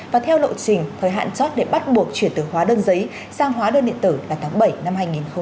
và theo lộ trình thời hạn chót để bắt buộc chuyển từ hóa đơn giấy sang hóa đơn điện tử là tháng bảy năm hai nghìn hai mươi